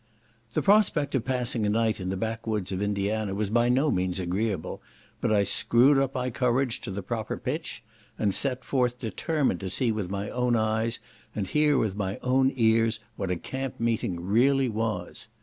The prospect of passing a night in the back woods of Indiana was by no means agreeable, but I screwed my courage to the proper pitch, and set forth determined to see with my own eyes, and hear with my own ears, what a camp meeting really was.